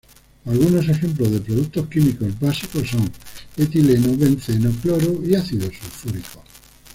Algunos ejemplos de productos químicos básicos son: etileno, benceno, cloro y ácido sulfúrico.